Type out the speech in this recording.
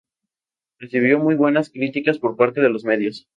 Recibió muy buenas críticas por parte de los medios.